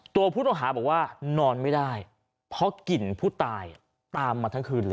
ตัวผู้ต้องหาบอกว่านอนไม่ได้เพราะกลิ่นผู้ตายตามมาทั้งคืนเลย